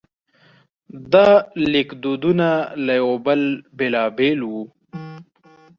دا لیکدودونه له یو بل بېلابېل وو.